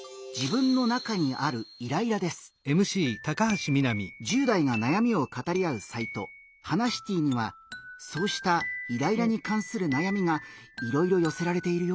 今回のテーマは１０代がなやみを語り合うサイト「ハナシティ」にはそうしたイライラに関するなやみがいろいろよせられているよ。